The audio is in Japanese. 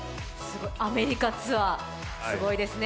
アメリカツアー、すごいですね。